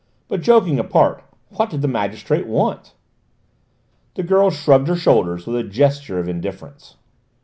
But, joking apart, what did the magistrate want?" The girl shrugged her shoulders with a gesture of indifference.